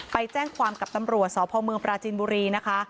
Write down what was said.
ไปแจ้งความกับตำรวจสพเมืองปราจินบุรีนะคะ